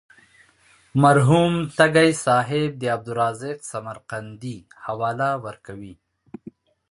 مرحوم تږی صاحب د عبدالرزاق سمرقندي حواله ورکوي.